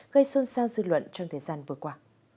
gây xuân sao dư luận trong thời gian vừa qua